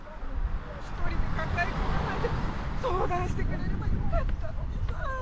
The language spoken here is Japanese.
一人でかかえこまないでそうだんしてくれればよかったのにさ。